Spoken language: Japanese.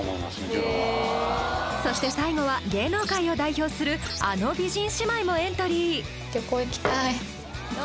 自分はそして最後は芸能界を代表するあの美人姉妹もエントリー！